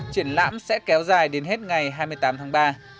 triển lãm sẽ kéo dài đến hết ngày hai mươi tám tháng ba